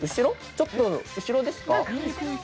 ちょっと後ろですか？